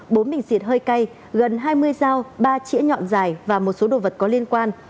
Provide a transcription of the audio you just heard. bốn bình xịt hơi cay gần hai mươi dao ba chĩa nhọn dài và một số đồ vật có liên quan